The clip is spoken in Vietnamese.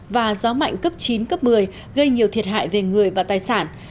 và gió mạnh cấp chín cấp một mươi gây nhiều thiệt hại về người và tài sản